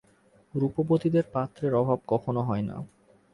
রূপবতীদের পাত্রের অভাব কখনো হয় না।